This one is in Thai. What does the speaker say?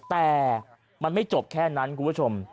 แต่มันไม่จบแค่นั้นคุณผู้ชม